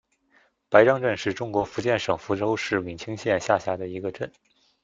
白樟镇是中国福建省福州市闽清县下辖的一个镇。